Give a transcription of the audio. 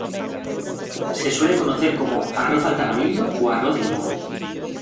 Se suele conocer como "arroz al tamarindo" o "arroz limón".